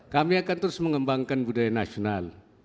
kami akan terus mengembangkan budaya nasional